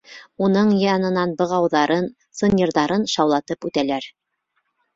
Уның янынан бығауҙарын, сынйырҙарын шаулатып үтәләр.